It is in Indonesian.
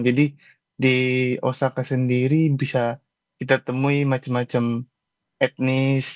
jadi di osaka sendiri bisa kita temui macam macam etnis